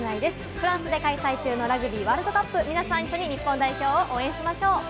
フランスで開催中のラグビーワールドカップ、皆さん、一緒に日本代表を応援しましょう！